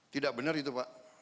tidak benar itu pak